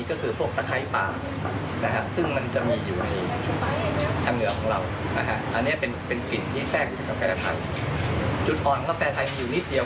ก็คือการที่ว่าเขาจะมีลักษณะของหินมะลีบและประดอบไม้ขาว